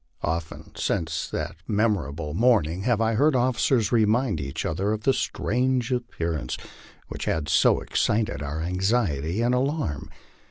Often since that memorable morning have I heard officers .remind each other of the strange appearance which had so excited our anxiety and alarm.